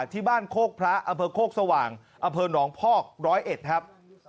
ที่บ้านโคกพระอำเภอโคกสว่างอำเภอหนองพอกร้อยเอ็ดครับ